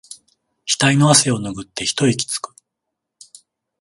ひたいの汗をぬぐって一息つく